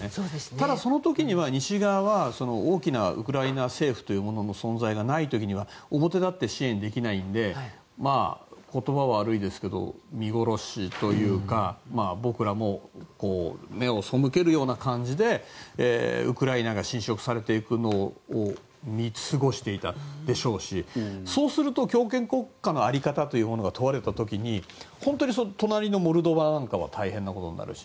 ただ、その時には西側は大きなウクライナ政府という存在がない時は表立って支援できないので言葉は悪いですが見殺しというか僕らも目を背けるような感じでウクライナが侵食されていくのを見過ごしていたでしょうしそうすると強権国家の在り方というものが問われた時に本当に隣のモルドバなんかは大変なことになるし